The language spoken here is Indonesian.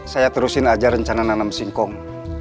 saya terusin aja rencana nanam singkong